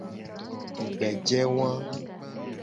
Tugbeje wa.